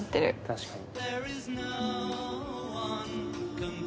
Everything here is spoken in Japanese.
確かに。